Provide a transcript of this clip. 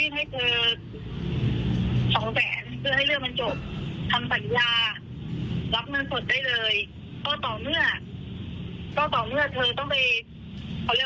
เธอต้องไปยกฟองทั้งหมดแล้วก็มาเอามันสดไปเลย